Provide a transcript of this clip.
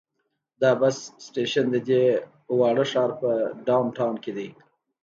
دا بس سټیشن د دې واړه ښار په ډاون ټاون کې دی.